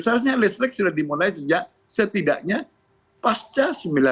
seharusnya listrik sudah dimulai sejak setidaknya pasca sembilan puluh tujuh